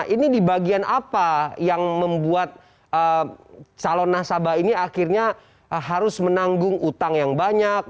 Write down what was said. ini di bagian apa yang membuat calon nasabah ini akhirnya harus menanggung utang yang banyak